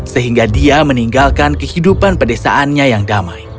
sehingga dia meninggalkan kehidupan pedesaannya yang damai